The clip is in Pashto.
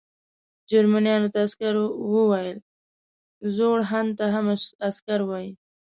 جرمنیانو ته عسکر ویل کیږي، زوړ هن ته هم عسکر وايي.